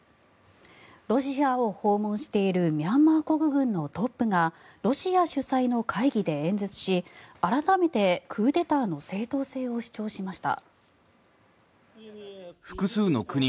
ロシアを訪問しているミャンマー国軍のトップがロシア主催の会議で演説し改めてクーデターの正当性を主張しました。